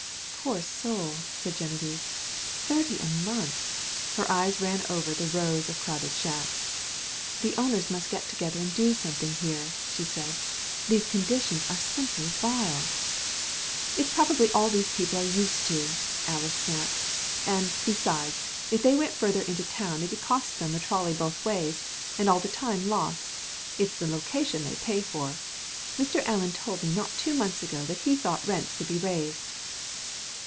"Poor soul!" said Geneviève. "Thirty a month!" Her eyes ran over the rows of crowded shacks. "The owners must get together and do something here," she said. "These conditions are simply vile." "It's probably all these people are used to," Alys snapped, "And, besides, if they went further into town it'd cost them the trolley both ways, and all the time lost. It's the location they pay for. Mr. Alien told me not two months ago he thought rents could be raised."